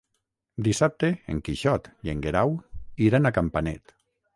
Dissabte en Quixot i en Guerau iran a Campanet.